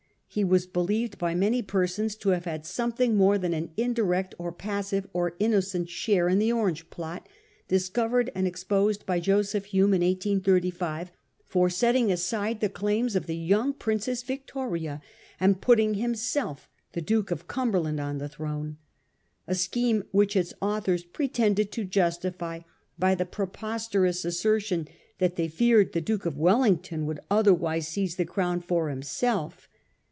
He was believed by many persons to have had something more than an indirect, or passive, or innocent share in the Orange plot, discovered and exposed by Joseph Hume in 1835, for setting aside the claims of the young Princess Victoria and putting himself, the Duke of Cumberland, on the throne ; a scheme which its authors pretended to justify by the pre posterous assertion that they feared the Duke of Wellington would otherwise seize the crown for him self.